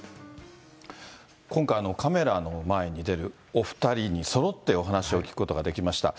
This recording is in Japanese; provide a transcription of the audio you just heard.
今回、カメラの前に出るお２人にそろってお話を聞くことができました。